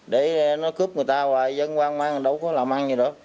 để nó cướp người ta hoài dân hoang mang đâu có làm ăn gì nữa